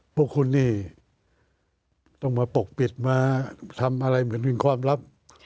พวกคุณนี่ต้องมาปกปิดมาทำอะไรเหมือนเป็นความลับ